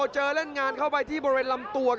เจอเล่นงานเข้าไปที่บริเวณลำตัว